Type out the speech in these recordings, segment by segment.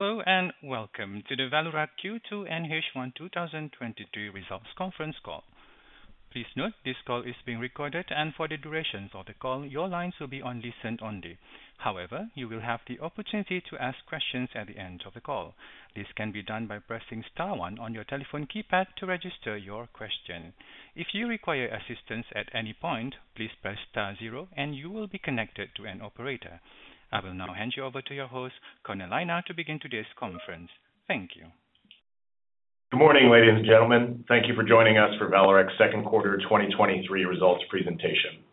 Hello, and welcome to the Vallourec Q2 and H1 2023 Results Conference Call. Please note, this call is being recorded. For the duration of the call, your lines will be on listen-only. However, you will have the opportunity to ask questions at the end of the call. This can be done by pressing *1 on your telephone keypad to register your question. If you require assistance at any point, please press *0, and you will be connected to an operator. I will now hand you over to your host, Connor Lynagh, to begin today's conference. Thank you. Good morning, ladies and gentlemen. Thank you for joining us for Vallourec's Q2 2023 results presentation.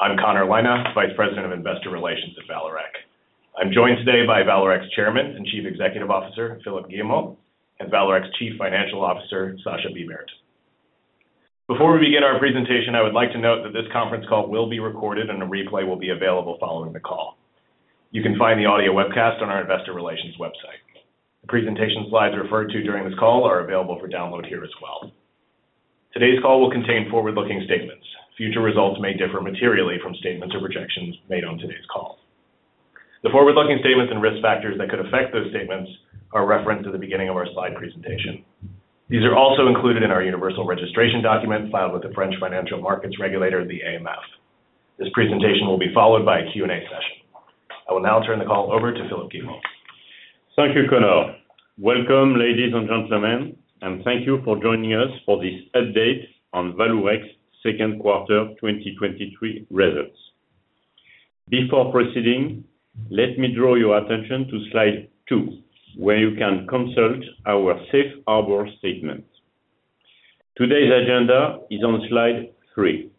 I'm Connor Lynagh, Vice President of Investor Relations at Vallourec. I'm joined today by Vallourec's Chairman and Chief Executive Officer, Philippe Guillemot, and Vallourec's Chief Financial Officer, Sascha Bibert. Before we begin our presentation, I would like to note that this conference call will be recorded and a replay will be available following the call. You can find the audio webcast on our investor relations website. The presentation slides referred to during this call are available for download here as well. Today's call will contain forward-looking statements. Future results may differ materially from statements or projections made on today's call. The forward-looking statements and risk factors that could affect those statements are referenced at the beginning of our slide presentation. These are also included in our Universal Registration Document filed with the Autorité des marchés financiers, the AMF. This presentation will be followed by a Q&A session. I will now turn the call over to Philippe Guillemot. Thank you, Connor. Welcome, ladies and gentlemen, and thank you for joining us for this update on Vallourec's Q2 2023 results. Before proceeding, let me draw your attention to Slide 2, where you can consult our Safe Harbor statement. Today's agenda is on Slide 3.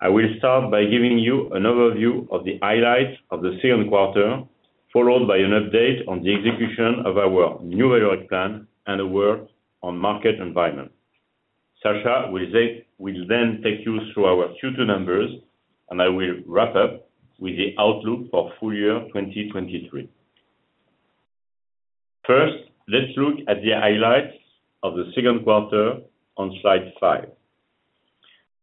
I will start by giving you an overview of the highlights of the Q2, followed by an update on the execution of our New Vallourec plan and a word on market environment. Sascha will then take you through our Q2 numbers, I will wrap up with the outlook for full year 2023. First, let's look at the highlights of the Q2 on Slide 5.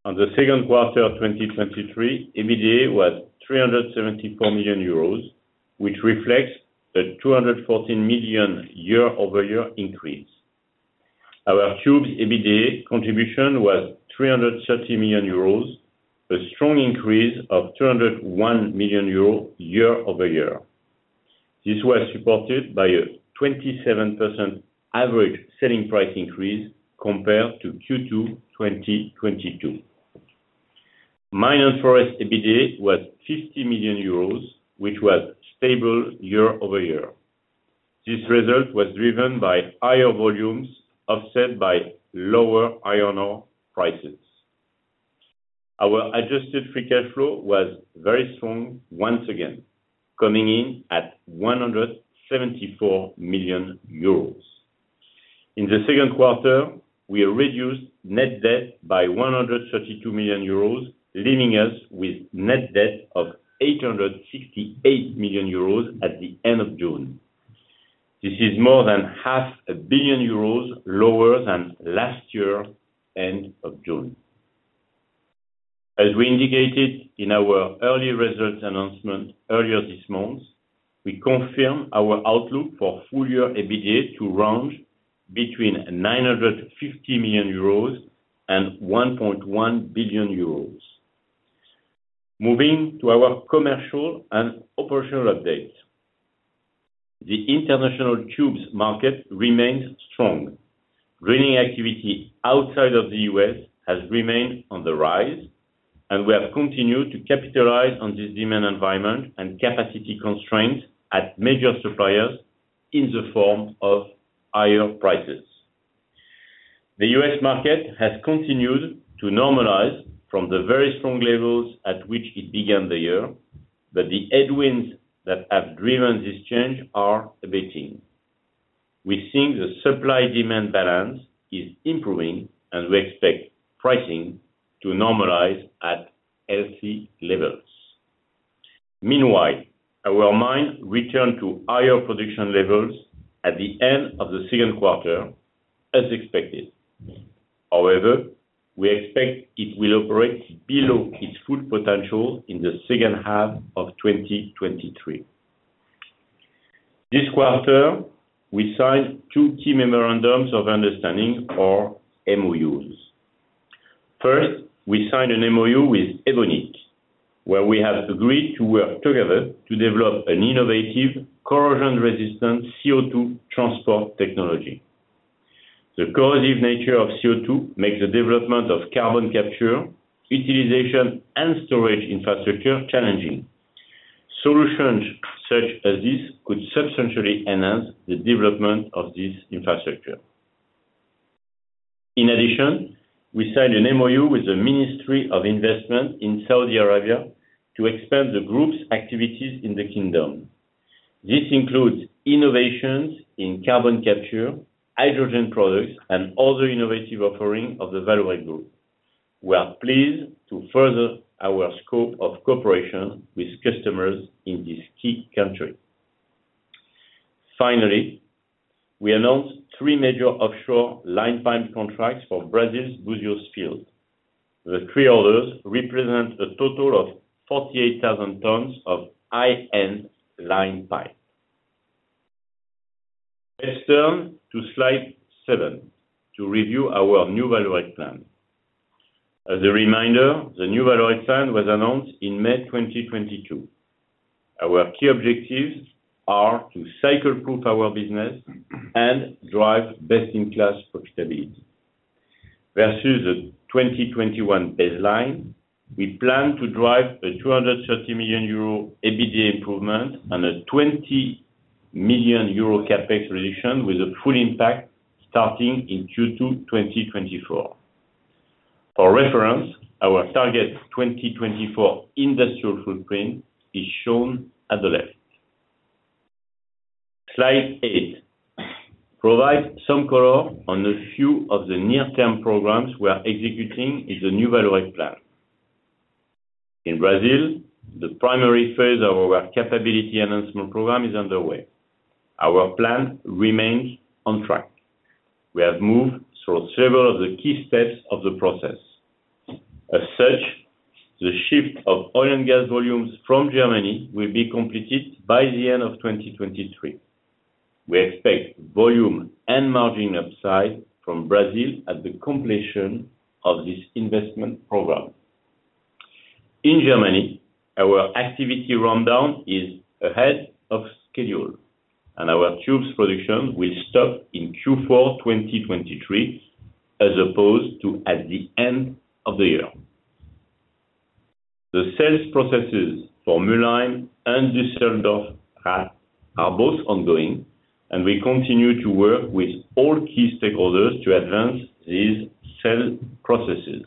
On the Q2 of 2023, EBITDA was 374 million euros, which reflects the 214 million year-over-year increase. Our Tubes EBITDA contribution was 330 million euros, a strong increase of 201 million euros year-over-year. This was supported by a 27% average selling price increase compared to Q2 2022. Mine & Forest EBITDA was 50 million euros, which was stable year-over-year. This result was driven by higher volumes, offset by lower iron ore prices. Our adjusted free cash flow was very strong once again, coming in at 174 million euros. In the Q2, we reduced net debt by 132 million euros, leaving us with net debt of 868 million euros at the end of June. This is more than 500 million euros lower than last year, end of June. As we indicated in our early results announcement earlier this month, we confirm our outlook for full-year EBITDA to range between 950 million euros and 1.1 billion euros. Moving to our commercial and operational updates. The international Tubes market remains strong. Drilling activity outside of the US has remained on the rise, we have continued to capitalize on this demand environment and capacity constraints at major suppliers in the form of higher prices. The US market has continued to normalize from the very strong levels at which it began the year, the headwinds that have driven this change are abating. We think the supply-demand balance is improving, we expect pricing to normalize at healthy levels. Meanwhile, our mine returned to higher production levels at the end of the Q2 as expected. However, we expect it will operate below its full potential in the second half of 2023. This quarter, we signed two key Memorandums of Understanding or MOUs. First, we signed an MOU with Evonik, where we have agreed to work together to develop an innovative corrosion-resistant CO2 transportation technology. The corrosive nature of CO2 makes the development of carbon capture, utilization, and storage infrastructure challenging. Solutions such as this could substantially enhance the development of this infrastructure. In addition, we signed an MOU with the Ministry of Investment of Saudi Arabia to expand the group's activities in the kingdom. This includes innovations in carbon capture, hydrogen products, and other innovative offering of the Vallourec group. We are pleased to further our scope of cooperation with customers in this key country. Finally, we announced three major offshore line pipe contracts for Brazil's Búzios Field.... The three orders represent a total of 48,000 tons of high-end line pipe. Let's turn to Slide 7, to review our New Vallourec plan. As a reminder, the New Vallourec plan was announced in May 2022. Our key objectives are to cycle-proof our business and drive best-in-class profitability. Versus the 2021 baseline, we plan to drive a €230 million EBITDA improvement and a €20 million CapEx reduction, with a full impact starting in Q2 2024. For reference, our target 2024 industrial footprint is shown at the left. Slide 8 provides some color on a few of the near-term programs we are executing in the New Vallourec plan. In Brazil, the primary phase of our capability enhancement program is underway. Our plan remains on track. We have moved through several of the key steps of the process. As such, the shift of Oil & Gas volumes from Germany will be completed by the end of 2023. We expect volume and margin upside from Brazil at the completion of this investment program. In Germany, our activity rundown is ahead of schedule, and our tubes production will stop in Q4 2023, as opposed to at the end of the year. The sales processes for Mülheim and Düsseldorf are both ongoing, and we continue to work with all key stakeholders to advance these sales processes.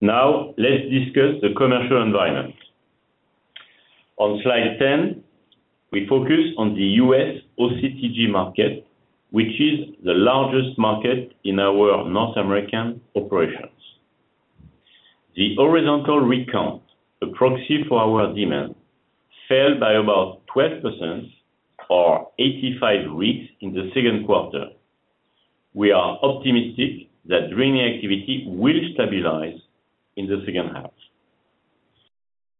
Now, let's discuss the commercial environment. On Slide 10, we focus on the US OCTG market, which is the largest market in our North American operations. The horizontal rig count, a proxy for our demand, fell by about 12% or 85 rigs in the Q2. We are optimistic that drilling activity will stabilize in the second half.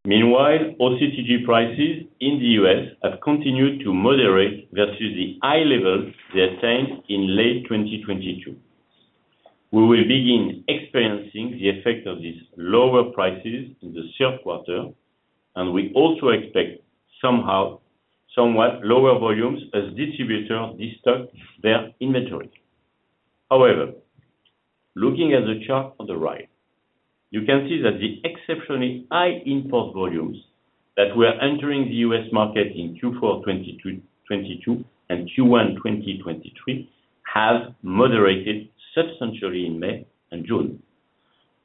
Meanwhile, OCTG prices in the US have continued to moderate versus the high levels they attained in late 2022. We will begin experiencing the effect of these lower prices in the Q3. We also expect somewhat lower volumes as distributors destock their inventory. Looking at the chart on the right, you can see that the exceptionally high import volumes that were entering the US market in Q4 2022 and Q1 2023 have moderated substantially in May and June.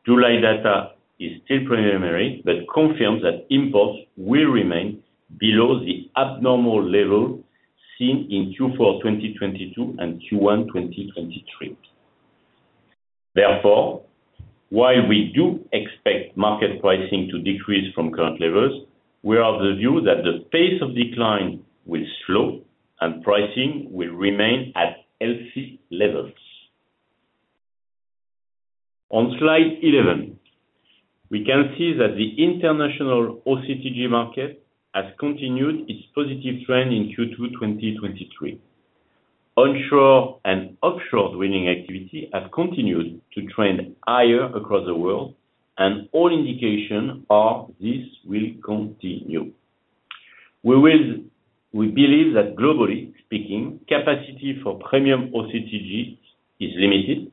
July data is still preliminary, confirms that imports will remain below the abnormal level seen in Q4 2022 and Q1 2023. While we do expect market pricing to decrease from current levels, we are of the view that the pace of decline will slow and pricing will remain at healthy levels. On Slide 11, we can see that the international OCTG market has continued its positive trend in Q2 2023. Onshore and offshore drilling activity have continued to trend higher across the world, all indications are this will continue. We believe that globally speaking, capacity for premium OCTG is limited,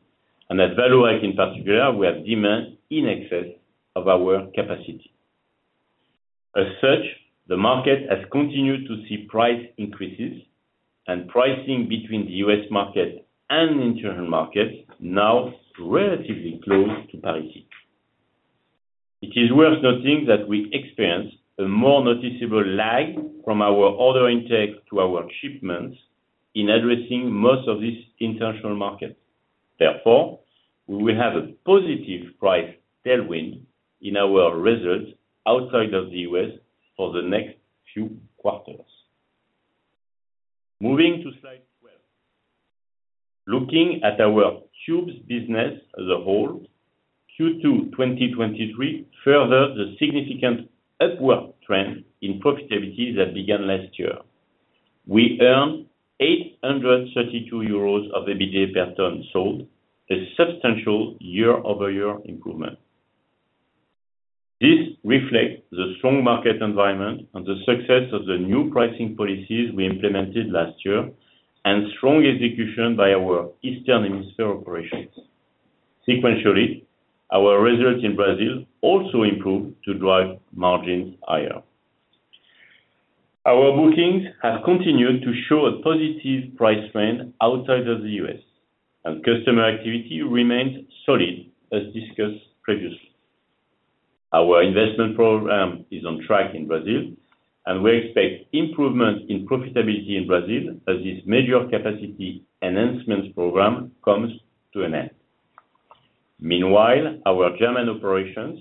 and at Vallourec in particular, we have demand in excess of our capacity. As such, the market has continued to see price increases, and pricing between the US market and the international markets now relatively close to parity. It is worth noting that we experienced a more noticeable lag from our order intake to our shipments in addressing most of these international markets. Therefore, we will have a positive price tailwind in our results outside of the US for the next few quarters. Moving to Slide 12. Looking at our Tubes business as a whole, Q2 2023 furthered the significant upward trend in profitability that began last year. We earned €832 of EBITDA per ton sold, a substantial year-over-year improvement. This reflects the strong market environment and the success of the new pricing policies we implemented last year, and strong execution by our Eastern Hemisphere operations. Sequentially, our results in Brazil also improved to drive margins higher. Our bookings have continued to show a positive price trend outside of the US, and customer activity remains solid, as discussed previously. Our investment program is on track in Brazil, and we expect improvements in profitability in Brazil as this major capability enhancement program comes to an end. Meanwhile, our German operations,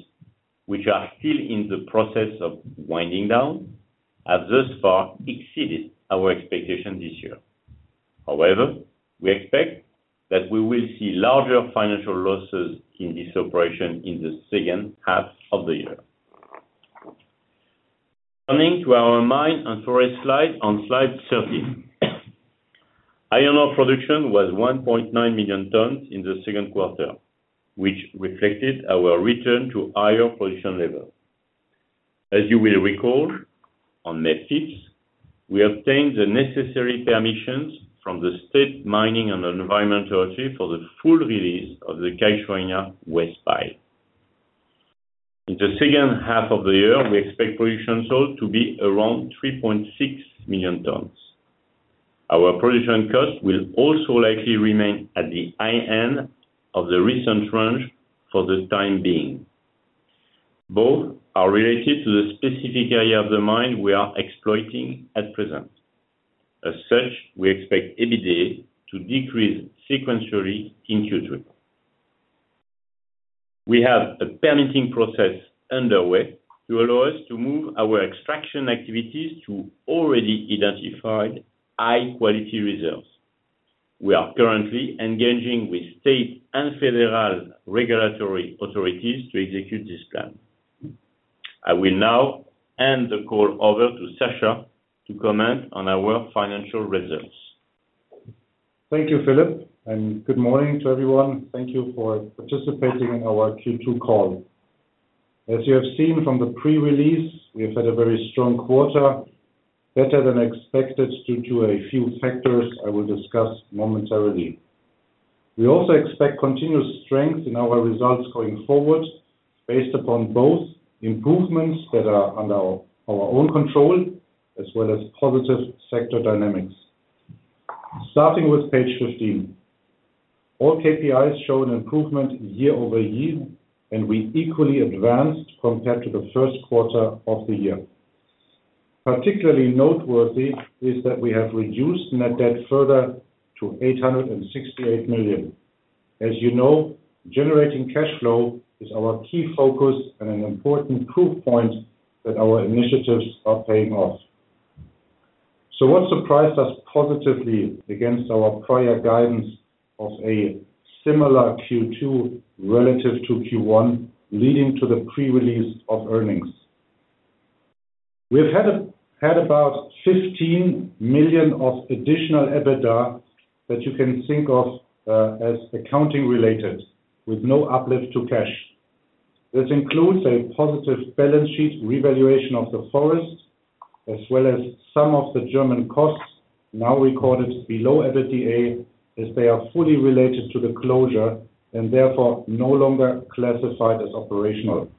which are still in the process of winding down, have thus far exceeded our expectations this year. However, we expect that we will see larger financial losses in this operation in the second half of the year. Coming to our Mine & Forest slide on Slide 13. iron ore production was 1.9 million tons in the Q2, which reflected our return to higher production level. As you will recall, on May fifth, we obtained the necessary permissions from the State Mining and Environmental Authority for the full release of the Cachoeirinha waste pile. In the second half of the year, we expect production sold to be around 3.6 million tonnes. Our production cost will also likely remain at the high end of the recent range for the time being. Both are related to the specific area of the mine we are exploiting at present. As such, we expect EBITDA to decrease sequentially in Q2. We have a permitting process underway to allow us to move our extraction activities to already identified high-quality reserves. We are currently engaging with state and federal regulatory authorities to execute this plan. I will now hand the call over to Sascha to comment on our financial results. Thank you, Philippe, and good morning to everyone. Thank you for participating in our Q2 call. As you have seen from the pre-release, we have had a very strong quarter, better than expected, due to a few factors I will discuss momentarily. We also expect continuous strength in our results going forward, based upon both improvements that are under our own control, as well as positive sector dynamics. Starting with page 15, all KPIs show an improvement year-over-year, and we equally advanced compared to the Q1 of the year. Particularly noteworthy is that we have reduced net debt further to €868 million. As you know, generating cash flow is our key focus and an important proof point that our initiatives are paying off. What surprised us positively against our prior guidance of a similar Q2 relative to Q1, leading to the pre-release of earnings? We've had about 15 million of additional EBITDA that you can think of as accounting-related, with no uplift to cash. This includes a positive balance sheet revaluation of the forest, as well as some of the German costs now recorded below EBITDA, as they are fully related to the closure and therefore no longer classified as operational.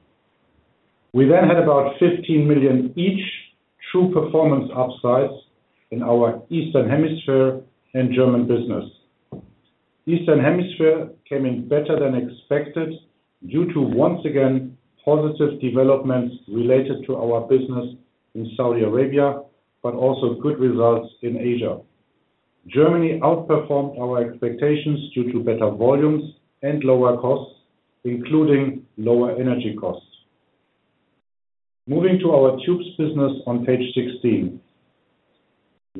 We had about 15 million each, true performance upsides in our Eastern Hemisphere and German business. Eastern Hemisphere came in better than expected, due to, once again, positive developments related to our business in Saudi Arabia, but also good results in Asia. Germany outperformed our expectations due to better volumes and lower costs, including lower energy costs. Moving to our Tubes business on page 16.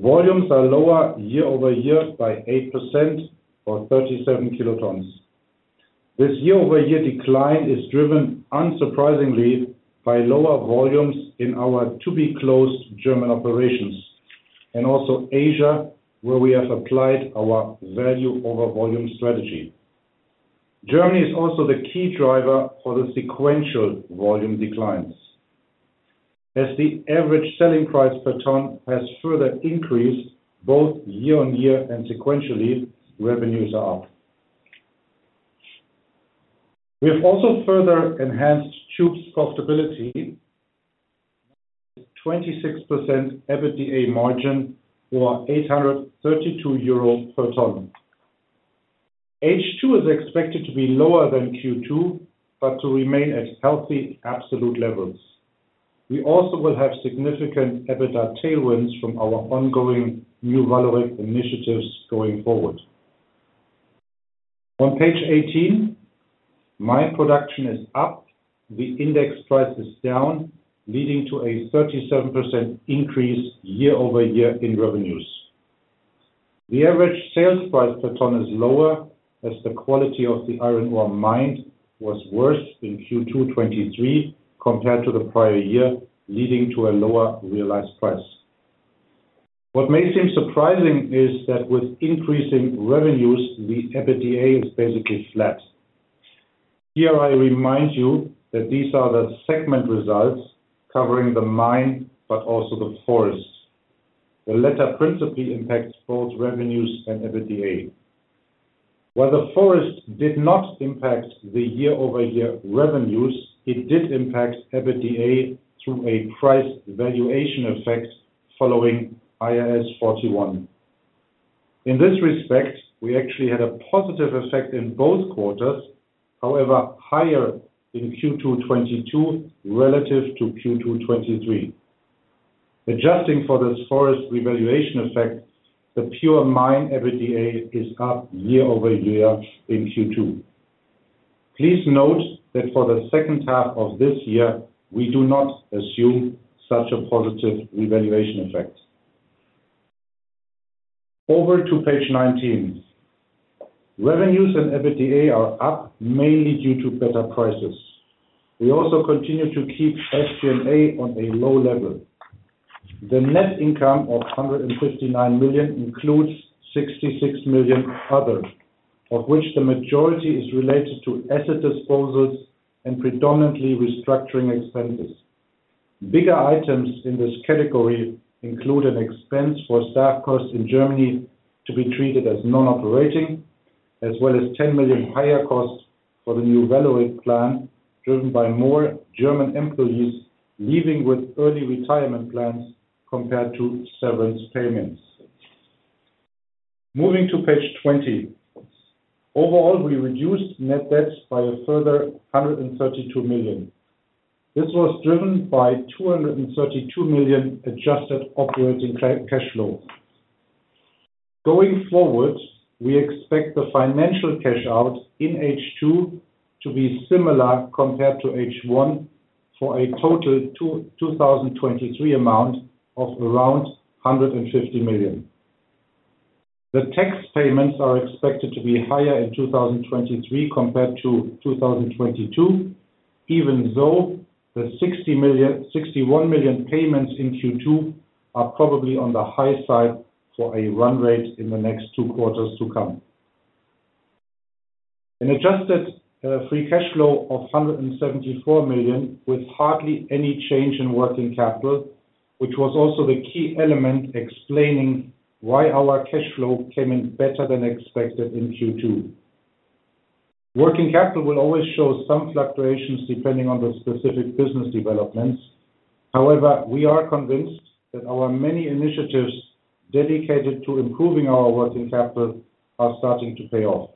Volumes are lower year-over-year by 8%, or 37 kilotonnes. This year-over-year decline is driven unsurprisingly by lower volumes in our to-be-closed German operations, and also Asia, where we have applied our value over volume strategy. Germany is also the key driver for the sequential volume declines. As the average selling price per ton has further increased, both year-on-year and sequentially, revenues are up. We have also further enhanced tubes profitability, 26% EBITDA margin or 832 euro per ton. H2 is expected to be lower than Q2, but to remain at healthy absolute levels. We also will have significant EBITDA tailwinds from our ongoing new valorization initiatives going forward. On page 18, mine production is up, the index price is down, leading to a 37% increase year-over-year in revenues. The average sales price per ton is lower, as the quality of the iron ore mined was worse in Q2 2023 compared to the prior year, leading to a lower realized price. What may seem surprising is that with increasing revenues, the EBITDA is basically flat. Here, I remind you that these are the segment results covering the mine, but also the forests. The latter principally impacts both revenues and EBITDA. While the forest did not impact the year-over-year revenues, it did impact EBITDA through a price valuation effect following IAS 41. In this respect, we actually had a positive effect in both quarters, however, higher in Q2 2022 relative to Q2 2023.... Adjusting for this forest revaluation effect, the pure mine EBITDA is up year-over-year in Q2. Please note that for the second half of this year, we do not assume such a positive revaluation effect. Over to page 19. Revenues and EBITDA are up, mainly due to better prices. We also continue to keep SG&A on a low level. The net income of 159 million includes 66 million other, of which the majority is related to asset disposals and predominantly restructuring expenses. Bigger items in this category include an expense for staff costs in Germany to be treated as non-operating, as well as 10 million higher costs for the New Vallourec plan, driven by more German employees leaving with early retirement plans compared to severance payments. Moving to page 20. Overall, we reduced net debt by a further 132 million. This was driven by 232 million adjusted operating cash flow. Going forward, we expect the financial cash out in H2 to be similar compared to H1, for a total 2023 amount of around 150 million. The tax payments are expected to be higher in 2023 compared to 2022, even though the 61 million payments in Q2 are probably on the high side for a run rate in the next two quarters to come. An adjusted free cash flow of 174 million, with hardly any change in working capital, which was also the key element explaining why our cash flow came in better than expected in Q2. Working capital will always show some fluctuations depending on the specific business developments. However, we are convinced that our many initiatives dedicated to improving our working capital are starting to pay off.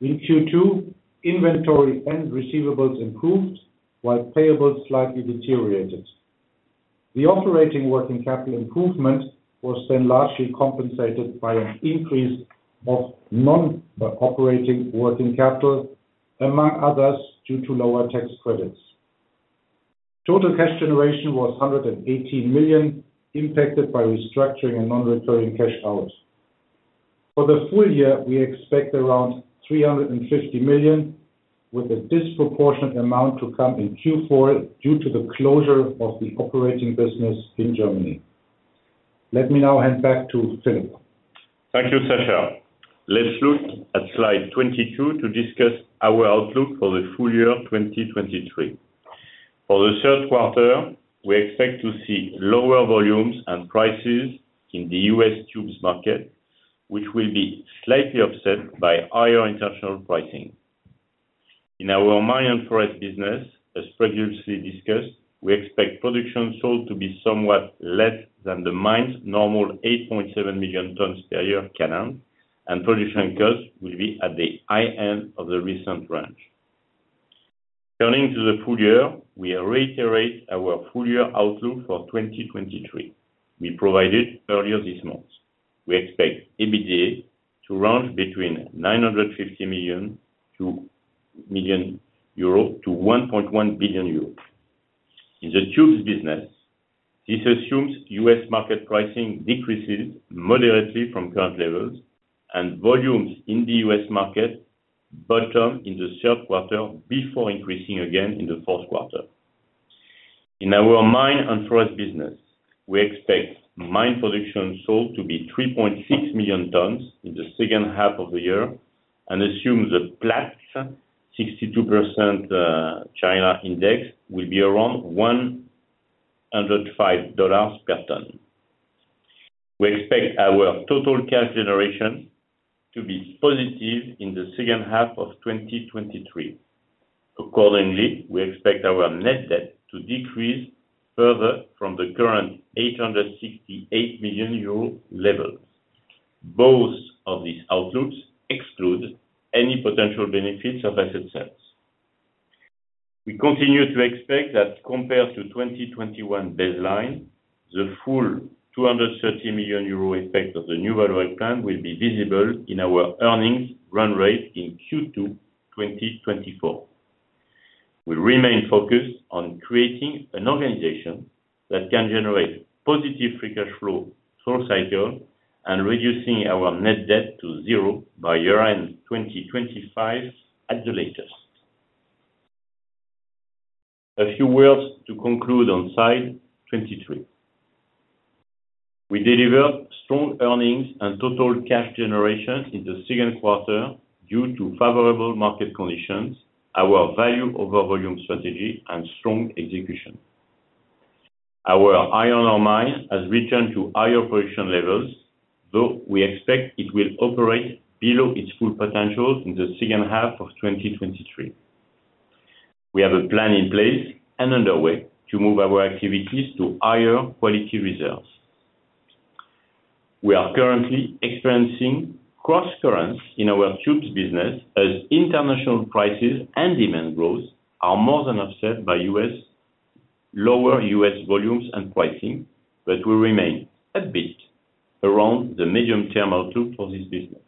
In Q2, inventory and receivables improved, while payables slightly deteriorated. The operating working capital improvement was then largely compensated by an increase of non-operating working capital, among others, due to lower tax credits. Total cash generation was 118 million, impacted by restructuring and non-recurring cash outs. For the full year, we expect around 350 million, with a disproportionate amount to come in Q4, due to the closure of the operating business in Germany. Let me now hand back to Philippe. Thank you, Sascha. Let's look at slide 22 to discuss our outlook for the full year 2023. For the Q3, we expect to see lower volumes and prices in the US tubes market, which will be slightly offset by higher international pricing. In our Mine & Forest business, as previously discussed, we expect production sold to be somewhat less than the mine's normal 8.7 million tons per year canon, and production costs will be at the high end of the recent range. Turning to the full year, we reiterate our full year outlook for 2023 we provided earlier this month. We expect EBITDA to range between 950 million to 1.1 billion euro. In the Tubes business, this assumes US market pricing decreases moderately from current levels, and volumes in the US market bottom in the Q3 before increasing again in the Q4. In our Mine & Forest business, we expect mine production sold to be 3.6 million tonnes in the second half of the year, and assume the Platts 62% China index will be around $105 per tonne. We expect our total cash generation to be positive in the second half of 2023. Accordingly, we expect our net debt to decrease further from the current €868 million level. Both of these outlooks exclude any potential benefits of asset sales. We continue to expect that compared to 2021 baseline, the full 230 million euro impact of the New Vallourec plan will be visible in our earnings run rate in Q2 2024. We remain focused on creating an organization that can generate positive free cash flow through cycle, reducing our net debt to zero by year-end 2025 at the latest. A few words to conclude on Slide 23. We delivered strong earnings and total cash generation in the Q2 due to favorable market conditions, our value over volume strategy, and strong execution. Our iron ore mine has returned to higher production levels, though we expect it will operate below its full potential in the second half of 2023. We have a plan in place and underway to move our activities to higher quality reserves. We are currently experiencing cross currents in our Tubes business as international prices and demand growth are more than offset by U.S., lower U.S. volumes and pricing, but we remain upbeat around the medium-term outlook for this business.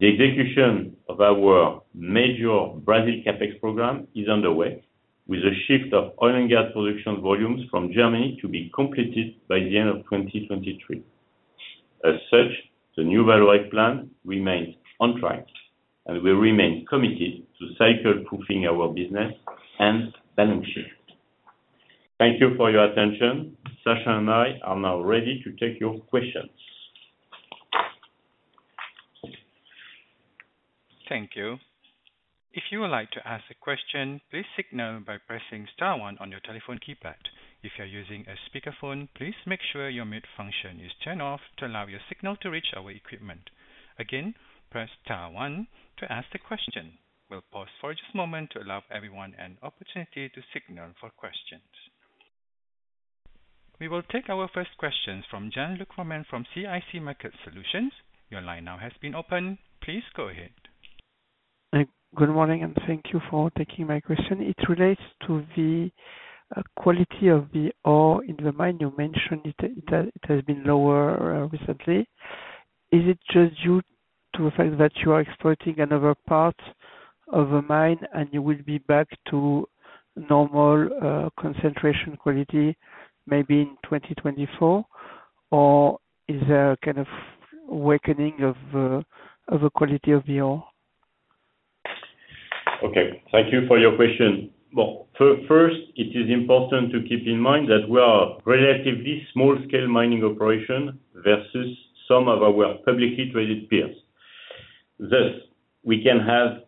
The execution of our major Brazil CapEx program is underway, with a shift of Oil & Gas volumes from Germany to be completed by the end of 2023. As such, the New Vallourec plan remains on track, and we remain committed to cycle-proofing our business and balance sheet. Thank you for your attention. Sascha and I are now ready to take your questions. Thank you. If you would like to ask a question, please signal by pressing star 1 on your telephone keypad. If you are using a speakerphone, please make sure your mute function is turned off to allow your signal to reach our equipment. Again, press star 1 to ask the question. We'll pause for just a moment to allow everyone an opportunity to signal for questions. We will take our first questions from Jean-Luc Romain from CIC Market Solutions. Your line now has been opened. Please go ahead. Good morning, and thank you for taking my question. It relates to the quality of the ore in the mine. You mentioned it, it has, it has been lower recently. Is it just due to the fact that you are exploiting another part of the mine and you will be back to normal concentration quality, maybe in 2024? Or is there a kind of weakening of the quality of the ore? Okay, thank you for your question. First, it is important to keep in mind that we are relatively small-scale mining operation versus some of our publicly traded peers. Thus, we can have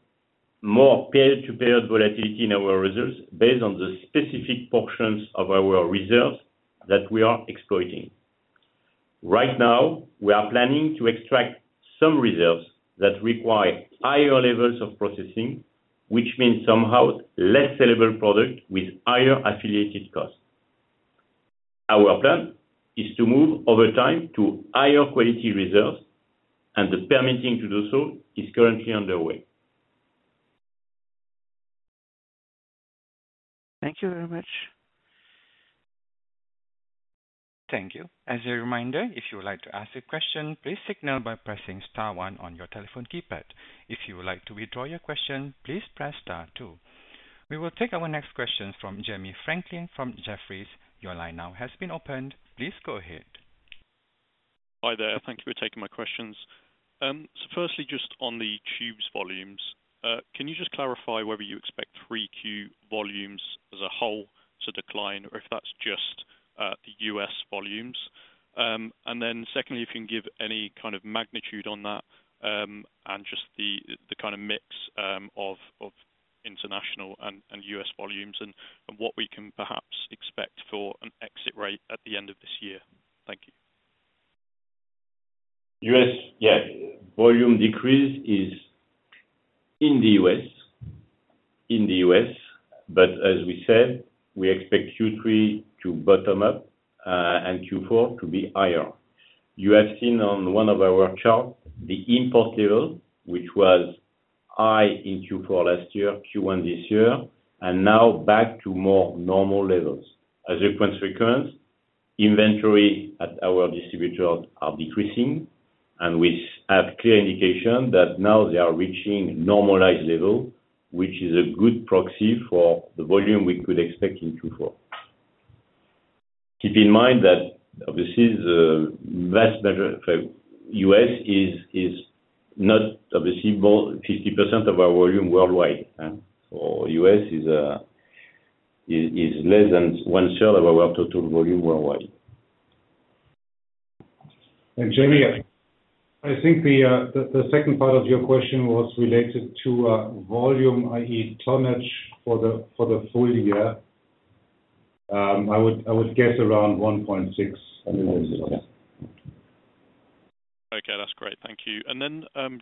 more period-to-period volatility in our results based on the specific portions of our reserves that we are exploiting. Right now, we are planning to extract some reserves that require higher levels of processing, which means somehow less sellable product with higher affiliated costs. Our plan is to move over time to higher quality reserves, and the permitting to do so is currently underway. Thank you very much. Thank you. As a reminder, if you would like to ask a question, please signal by pressing star one on your telephone keypad. If you would like to withdraw your question, please press star two. We will take our next question from Jamie Franklin from Jefferies. Your line now has been opened. Please go ahead. Hi there. Thank you for taking my questions. Firstly, just on the Tubes volumes, can you just clarify whether you expect Q3 volumes as a whole to decline, or if that's just the US volumes? Secondly, you can give any kind of magnitude on that, and just the kind of mix of international and US volumes, and what we can perhaps expect for an exit rate at the end of this year. Thank you. U.S., yeah, volume decrease is in the U.S. In the U.S., as we said, we expect Q3 to bottom up and Q4 to be higher. You have seen on one of our charts the import level, which was high in Q4 last year, Q1 this year, and now back to more normal levels. As a consequence, inventory at our distributors are decreasing, and we have clear indication that now they are reaching normalized level, which is a good proxy for the volume we could expect in Q4. Keep in mind that obviously, the vast majority... U.S. is, is not obviously both 50% of our volume worldwide, so U.S. is, is, is less than one third of our total volume worldwide. Jamie, I think the, the, the second part of your question was related to, volume, i.e, tonnage for the full year. I would, I would guess around 1.6 million. Okay, that's great. Thank you.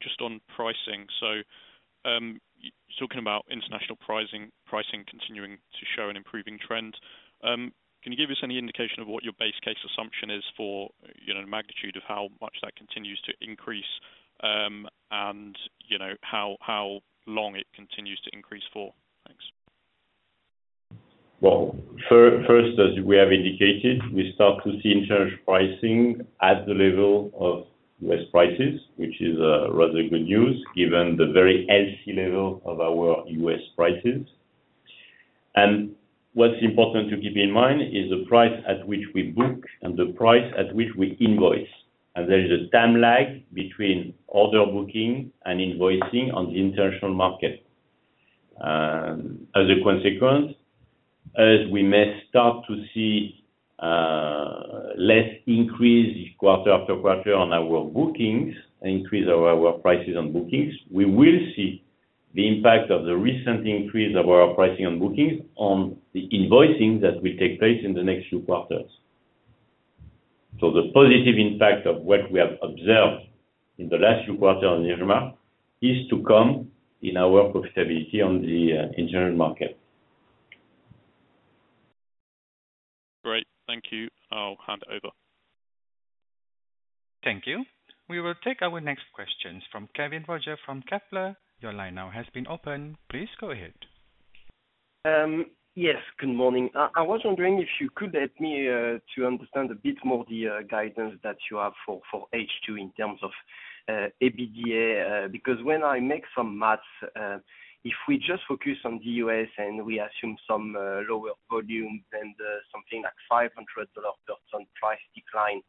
Just on pricing. Talking about international pricing, pricing continuing to show an improving trend, can you give us any indication of what your base case assumption is for, you know, the magnitude of how much that continues to increase, and you know, how, how long it continues to increase for? Thanks. Well, first, as we have indicated, we start to see international pricing at the level of US prices, which is rather good news, given the very healthy level of our US prices. What's important to keep in mind is the price at which we book and the price at which we invoice, as there is a time lag between order booking and invoicing on the international market. As a consequence, as we may start to see less increase quarter after quarter on our bookings, increase our prices on bookings, we will see the impact of the recent increase of our pricing on bookings on the invoicing that will take place in the next few quarters. The positive impact of what we have observed in the last few quarters on the market is to come in our profitability on the international market. Great. Thank you. I'll hand it over. Thank you. We will take our next questions from Kevin Roger from Kepler. Your line now has been opened. Please go ahead. Yes, good morning. I was wondering if you could help me to understand a bit more the guidance that you have for H2 in terms of EBITDA. When I make some math, if we just focus on the US and we assume some lower volume than the something like $500 per ton price decline,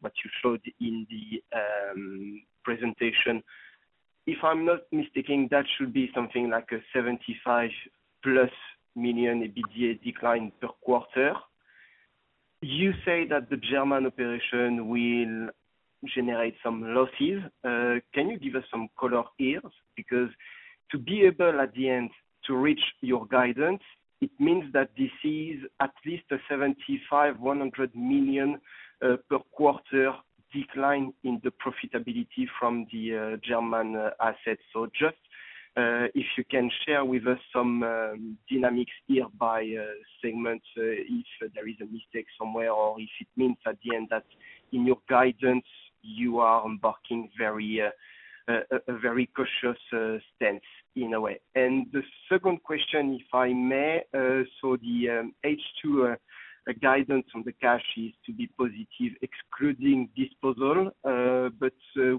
what you showed in the presentation. If I'm not mistaken, that should be something like a $75+ million EBITDA decline per quarter. You say that the German operation will generate some losses. Can you give us some color here? Because to be able, at the end, to reach your guidance, it means that this is at least a $75 million-$100 million per quarter decline in the profitability from the German assets. Just, if you can share with us some dynamics here by segments, if there is a mistake somewhere or if it means at the end that in your guidance you are embarking very, a very cautious stance in a way? The second question, if I may, the H2 guidance on the cash is to be positive, excluding disposal,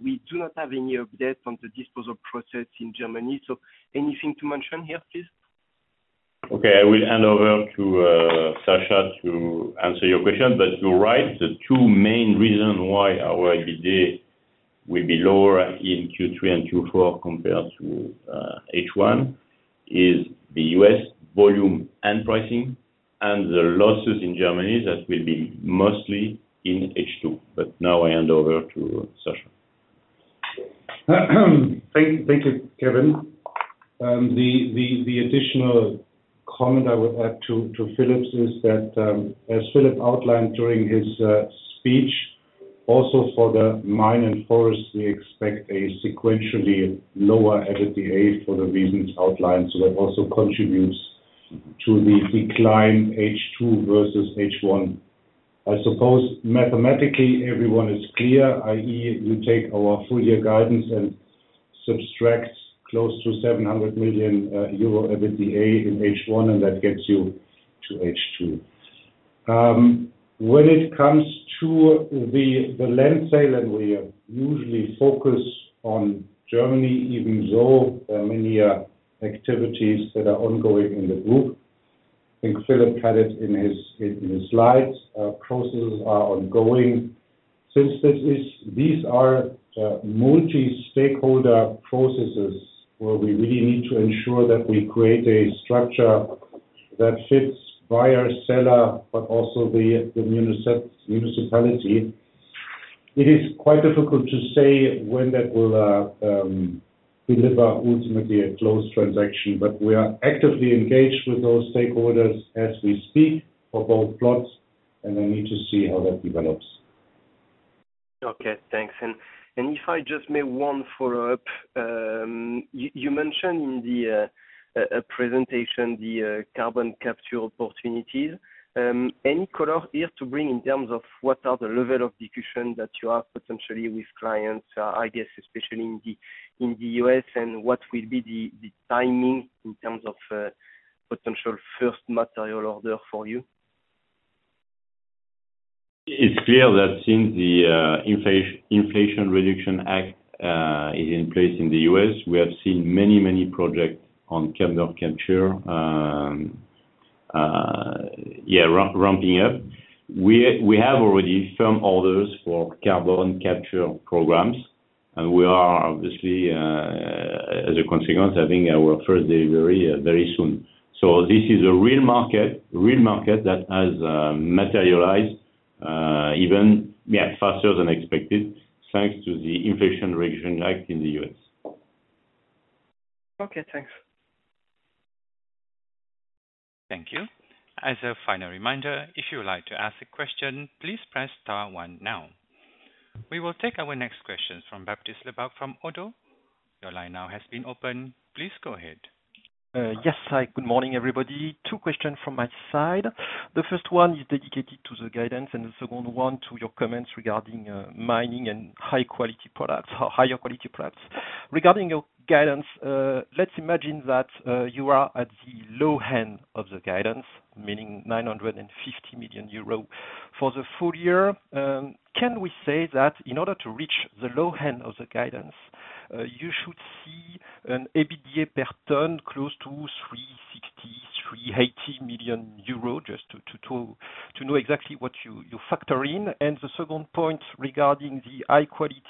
we do not have any update on the disposal process in Germany. Anything to mention here, please? Okay. I will hand over to Sascha, to answer your question. You're right, the two main reasons why our EBITDA will be lower in Q3 and Q4 compared to H1, is the US volume and pricing, and the losses in Germany that will be mostly in H2. Now I hand over to Sascha. Thank you, Kevin. The additional comment I would add to Philippe's is that, as Philippe outlined during his speech, also for the Mine & Forest, we expect a sequentially lower EBITDA for the reasons outlined. That also contributes to the decline H2 versus H1. I suppose mathematically everyone is clear, i.e., you take our full year guidance and subtract close to 700 million euro EBITDA in H1, and that gets you to H2. When it comes to the land sale, and we usually focus on Germany, even though there are many activities that are ongoing in the group. Think Philippe had it in his slides. Processes are ongoing. Since these are multi-stakeholder processes, where we really need to ensure that we create a structure that fits buyer, seller, but also the municipality. It is quite difficult to say when that will deliver ultimately a closed transaction. We are actively engaged with those stakeholders as we speak, for both plots. We need to see how that develops. Okay, thanks. If I just make one follow-up, you mentioned in the presentation, the carbon capture opportunities. Any color here to bring in terms of what are the level of discussion that you have potentially with clients, I guess especially in the US, and what will be the timing in terms of potential first material order for you? It's clear that since the Inflation Reduction Act is in place in the US, we have seen many, many projects on carbon capture, ramping up. We, we have already firm orders for carbon capture programs. We are obviously, as a consequence, having our first delivery very soon. This is a real market, real market that has materialized even faster than expected, thanks to the Inflation Reduction Act in the US. Okay, thanks. Thank you. As a final reminder, if you would like to ask a question, please press star one now. We will take our next questions from Baptiste Lebacq from Oddo. Your line now has been opened. Please go ahead. Yes, hi. Good morning, everybody. Two questions from my side. The first one is dedicated to the guidance, the second one to your comments regarding mining and high quality products, or higher quality products. Regarding your guidance, let's imagine that you are at the low end of the guidance, meaning 950 million euro. For the full year, can we say that in order to reach the low end of the guidance, you should see an EBITDA per ton, close to 360 million-380 million euros, just to know exactly what you factor in? The second point regarding the high quality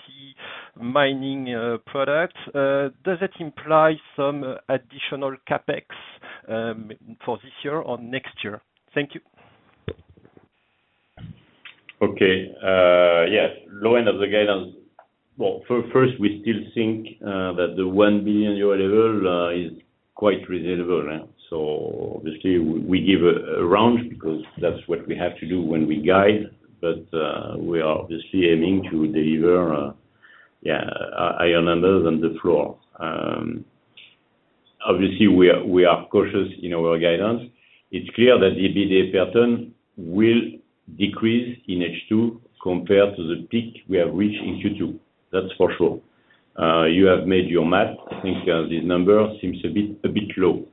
mining product, does it imply some additional CapEx for this year or next year? Thank you. Okay. Yes, low end of the guidance. Well, first, we still think that the 1 billion euro level is quite reasonable. Obviously, we give a range because that's what we have to do when we guide. We are obviously aiming to deliver higher numbers than the floor. Obviously, we are cautious in our guidance. It's clear that the EBITDA pattern will decrease in H2 compared to the peak we have reached in Q2, that's for sure. You have made your math. I think this number seems a bit low.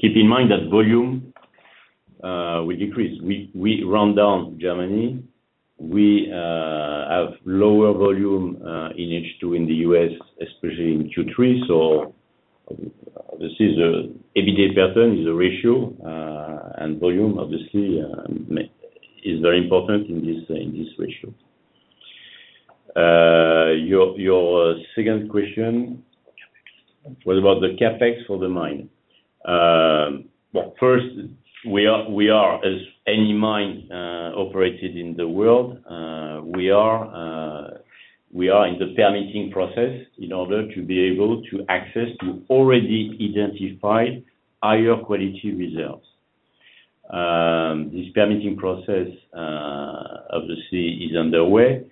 Keep in mind that volume will decrease. We round down Germany. We have lower volume in H2 in the US, especially in Q3. This is a EBITDA pattern, is a ratio, and volume obviously, is very important in this, in this ratio. Your, your second question was about the CapEx for the mine. Well, first, we are, we are, as any mine, operated in the world, we are, we are in the permitting process in order to be able to access to already identified higher quality results. This permitting process, obviously is underway.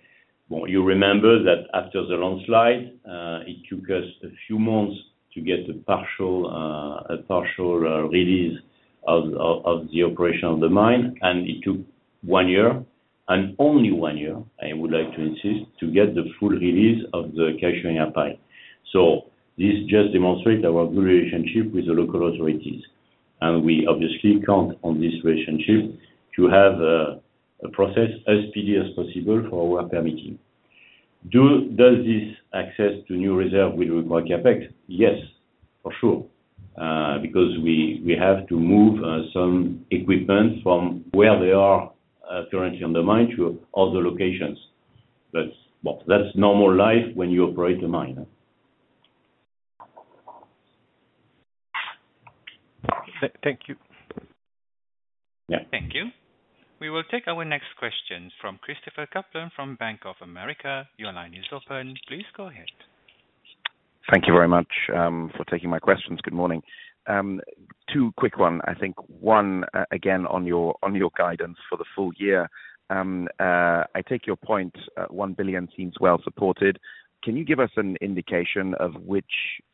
Well, you remember that after the landslide, it took us a few months to get a partial, a partial, release of, of, of the operational of the mine, and it took one year, and only one year, I would like to insist, to get the full release of the Cachoeirinha pile. This just demonstrate our good relationship with the local authorities, and we obviously count on this relationship to have a process as speedy as possible for our permitting. Does this access to new reserve will require CapEx? Yes, for sure. Because we, we have to move some equipment from where they are currently on the mine to other locations. That's. Well, that's normal life when you operate a mine. Thank you. Yeah. Thank you. We will take our next question from Christopher Kuplent from Bank of America. Your line is open. Please go ahead. Thank you very much for taking my questions. Good morning. Two quick one. I think, one, again, on your, on your guidance for the full year. I take your point, 1 billion seems well supported. Can you give us an indication of which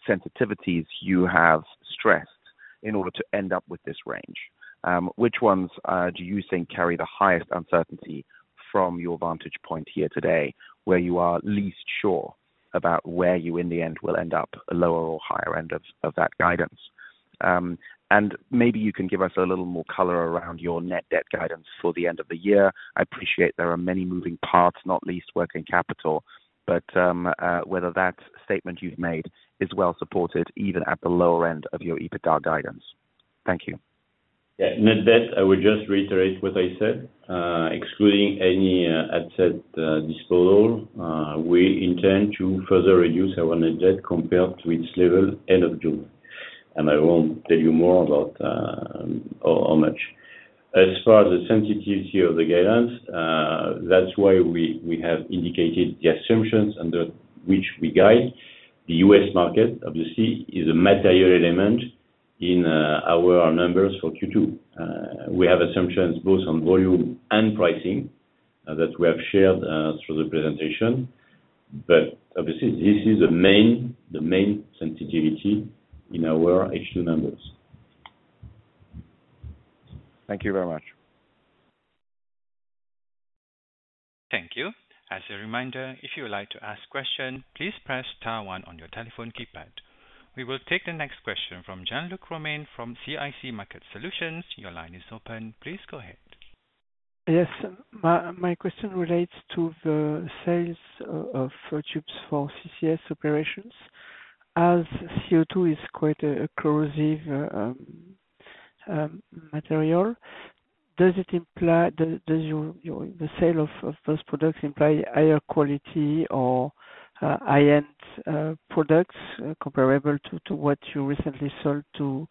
sensitivities you have stressed in order to end up with this range? Which ones do you think carry the highest uncertainty from your vantage point here today, where you are least sure about where you, in the end, will end up, lower or higher end of, of that guidance? Maybe you can give us a little more color around your net debt guidance for the end of the year. I appreciate there are many moving parts, not least working capital, but whether that statement you've made is well supported, even at the lower end of your EBITDA guidance. Thank you. Yeah. Net debt, I would just reiterate what I said. Excluding any asset disposal, we intend to further reduce our net debt compared to its level end of June, and I won't tell you more about how, how much. As far as the sensitivity of the guidance, that's why we have indicated the assumptions under which we guide. The US market, obviously, is a material element in our numbers for Q2. We have assumptions both on volume and pricing, that we have shared through the presentation, but obviously, this is the main sensitivity in our H2 numbers. Thank you very much. Thank you. As a reminder, if you would like to ask question, please press star one on your telephone keypad. We will take the next question from Jean-Luc Romain from CIC Market Solutions. Your line is open. Please go ahead. Yes. My, my question relates to the sales of tubes for CCS operations. As CO2 is quite a corrosive material, does your the sale of those products imply higher quality or high-end products comparable to what you recently sold to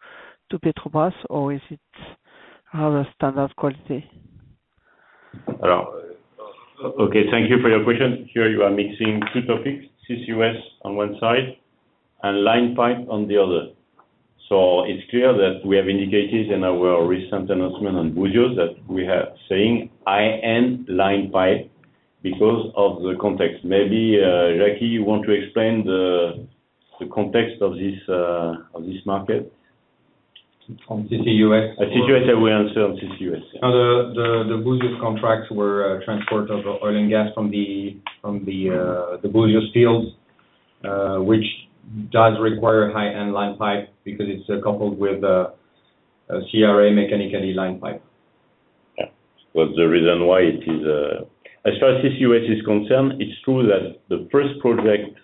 Petrobras, or is it other standard quality? Hello. Okay, thank you for your question. Here you are mixing two topics, CCUS on one side and line pipe on the other. It's clear that we have indicated in our recent announcement on Búzios, that we are saying high-end line pipe because of the context. Maybe, Jacky, you want to explain the context of this market? On CCUS? CCUS. I will answer on CCUS. The Búzios contracts were transport of oil and gas from the Búzios Fields, which does require high-end line pipe because it's coupled with a CRA mechanically line pipe. Yeah. Well, the reason why it is, as far as CCUS is concerned, it's true that the first project,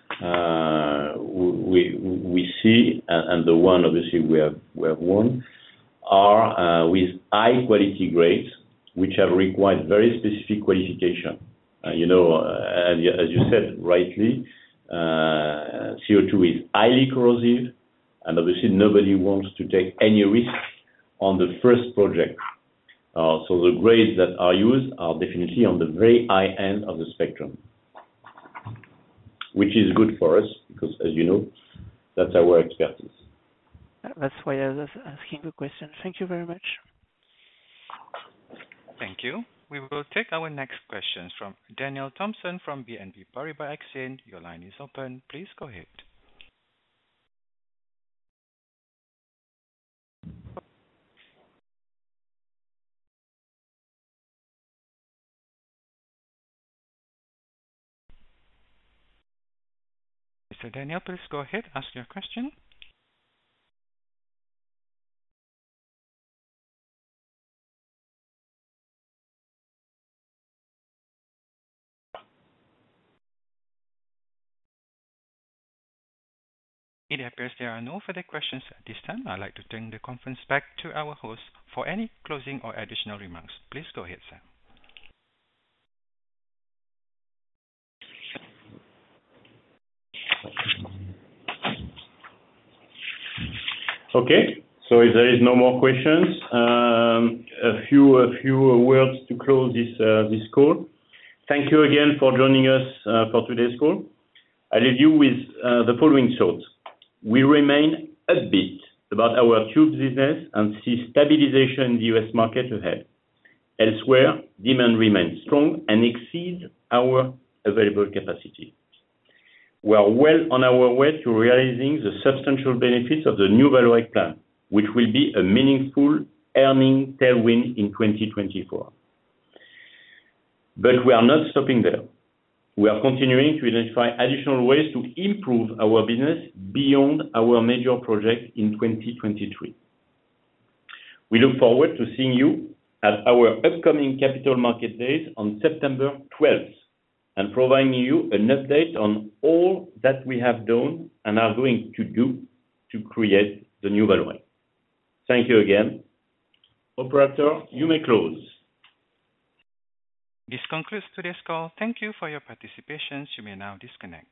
we, we see, and the one obviously we have, we have won, are with high quality grades, which have required very specific qualification. You know, as you said, rightly, CO2 is highly corrosive, and obviously, nobody wants to take any risk on the first project. The grades that are used are definitely on the very high end of the spectrum. Which is good for us, because as you know, that's our expertise. That's why I was asking the question. Thank you very much. Thank you. We will take our next questions from Daniel Thompson from BNP Paribas Exane. Your line is open. Please go ahead. Mr. Daniel, please go ahead, ask your question. It appears there are no further questions at this time. I'd like to turn the conference back to our host for any closing or additional remarks. Please go ahead, sir. Okay, if there is no more questions, a few words to close this call. Thank you again for joining us for today's call. I leave you with the following thoughts: We remain upbeat about our Tubes business and see stabilization in the US market ahead. Elsewhere, demand remains strong and exceeds our available capacity. We are well on our way to realizing the substantial benefits of the New Vallourec plan, which will be a meaningful earning tailwind in 2024. We are not stopping there. We are continuing to identify additional ways to improve our business beyond our major project in 2023. We look forward to seeing you at our upcoming Capital Market Date on September 12th, and providing you an update on all that we have done and are going to do to create the New Vallourec. Thank you again. Operator, you may close. This concludes today's call. Thank you for your participation. You may now disconnect.